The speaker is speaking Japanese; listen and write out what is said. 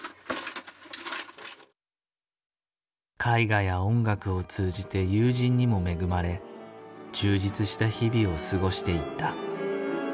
絵画や音楽を通じて友人にも恵まれ充実した日々を過ごしていった。